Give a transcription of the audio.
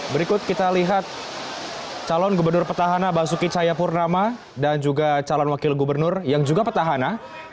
berikut kita lihat calon gubernur petahana basuki cayapurnama dan juga calon wakil gubernur yang juga petahana